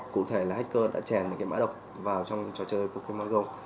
cụ thể là hacker đã trèn những cái mã độc vào trong trò chơi pokemon go